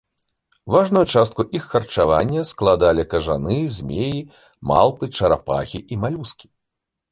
Важную частку іх харчавання складалі кажаны, змеі, малпы, чарапахі і малюскі.